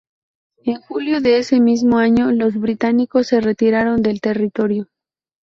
En julio de ese mismo año, los británicos se retiraron del territorio.